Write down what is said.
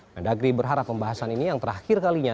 mendagri berharap pembahasan ini yang terakhir kalinya